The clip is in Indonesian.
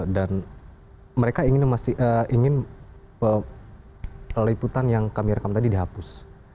dan mereka masih ingin peliputan yang kami rekam tadi dihapus